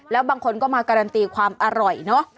แล้วบางคนก็มาการันตีความอร่อยเนอะ